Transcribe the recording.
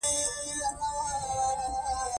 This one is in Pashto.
اوه ګرانه، زه ډېره خوشاله یم چې ته مغرور نه یې.